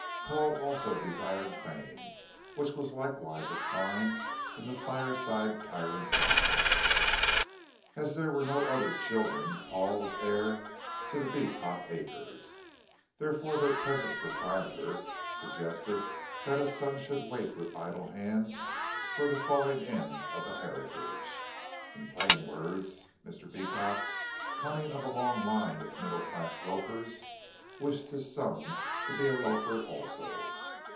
Paul also desired fame, which was likewise a crime in the fire side tyrant's eyes. As there were no other children Paul was heir to the Beecot acres, therefore their present proprietor suggested that his son should wait with idle hands for the falling in of the heritage. In plain words, Mr. Beecot, coming of a long line of middle class loafers, wished his son to be a loafer also.